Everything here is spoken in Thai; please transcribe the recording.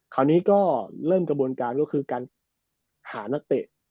คราวนี้ก็เริ่มกระบวนการก็คือการหานักเตะ